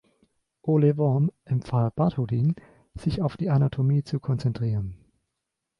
Ole Worm empfahl Bartholin, sich auf die Anatomie zu konzentrieren.